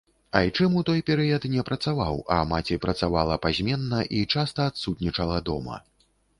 Айчым ў той перыяд не працаваў, а маці працавала пазменна і часта адсутнічала дома.